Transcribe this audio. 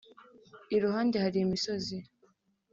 iruhande hari imisozi